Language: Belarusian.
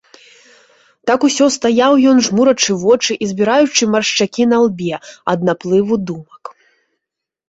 Так усё стаяў ён, жмурачы вочы і збіраючы маршчакі на лбе ад наплыву думак.